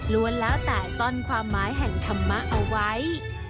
แล้วแต่ซ่อนความหมายแห่งธรรมะเอาไว้